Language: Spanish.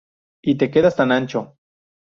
Y te quedas tan ancho"".